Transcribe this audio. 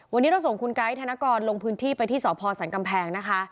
วันนี้เราส่งคุณไกด์ธนกรลงพื้นที่ไปที่สพสันกำแพงนะคะ